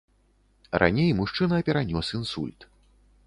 Раней мужчына перанёс інсульт.